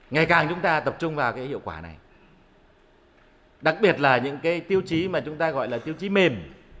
ngày càng chúng ta tập trung vào cái hiệu quả này đặc biệt là những cái tiêu chí mà chúng ta gọi là tiêu chí mềm